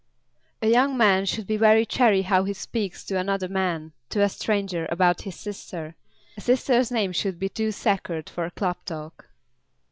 "A young man should be very chary how he speaks to another man, to a stranger, about his sister. A sister's name should be too sacred for club talk."